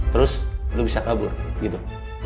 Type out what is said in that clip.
terus lo bisa kabur gitu